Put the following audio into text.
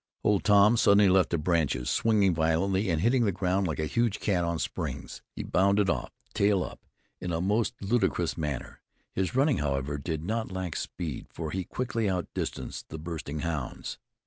Old Tom suddenly left the branches, swinging violently; and hitting the ground like a huge cat on springs, he bounded off, tail up, in a most ludicrous manner. His running, however, did not lack speed, for he quickly outdistanced the bursting hounds.